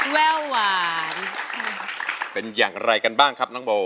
แววหวานเป็นอย่างไรกันบ้างครับน้องโบ